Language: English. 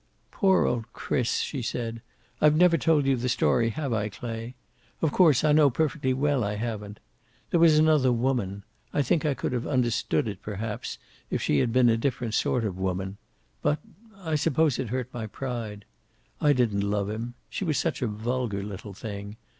"Poor old Chris!" she said. "I've never told you the story, have I, Clay? Of course I know perfectly well I haven't. There was another woman. I think I could have understood it, perhaps, if she had been a different sort of a woman. But I suppose it hurt my pride. I didn't love him. She was such a vulgar little thing.